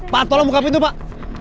pak tolong buka pintu pak